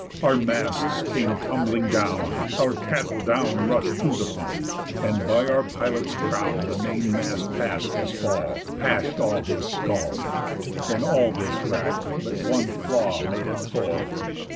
Our masts came tumbling down, our cattle down Rush'd to the pump, and by our pilot's crown The main mast pass'd his fall, pash'd all his skull, And all this wrack but one flaw made at full.